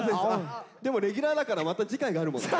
でもレギュラーだからまた次回があるもんね。